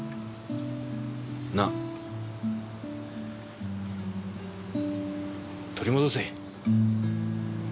なあ取り戻せ。